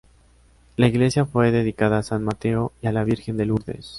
La iglesia fue dedicada a San Mateo y a la Virgen de Lourdes.